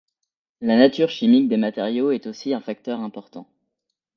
La nature chimique des matériaux est aussi un facteur important.